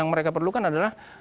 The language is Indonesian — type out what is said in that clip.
yang mereka perlukan adalah